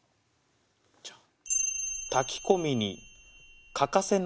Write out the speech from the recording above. じゃん。